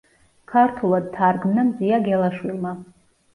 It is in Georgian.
ქართულად თარგმნა მზია გელაშვილმა.